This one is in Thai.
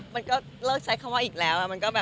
มันก็เลิกใช้คำว่าอีกแล้วอะ